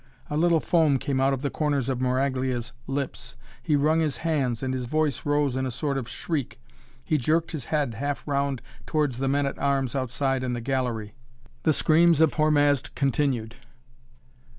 A little foam came out of the corners of Maraglia's lips. He wrung his hands and his voice rose into a sort of shriek. He jerked his head half round towards the men at arms outside in the gallery. The screams of Hormazd continued.